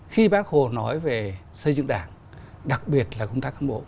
khi bác hồ nói về xây dựng đảng đặc biệt là công tác cán bộ